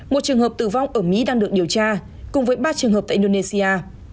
một trường hợp tử vong ở mỹ đang được điều tra cùng với ba trường hợp tại indonesia